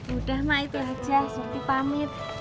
udah mak itu aja seperti pamit